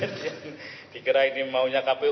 yang dikira ini maunya kpu